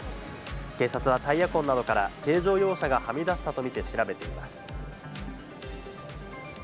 警察はタイヤ痕などから、軽乗用車がはみ出したと見て、調べています。